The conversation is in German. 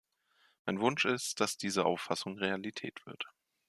Mein Wunsch ist, dass diese Auffassung Realität wird.